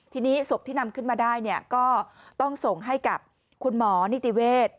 ทีนี้ศพที่นำขึ้นมาได้เนี่ยก็ต้องส่งให้กับคุณหมอนิติเวศ